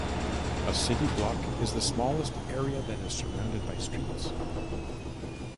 A city block is the smallest area that is surrounded by streets.